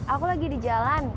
aku lagi di jalan